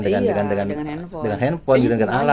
dengan handphone dengan alat